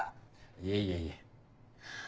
いえいえいえ。